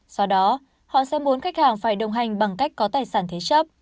do đó họ sẽ muốn khách hàng phải đồng hành bằng cách có tài sản thế chấp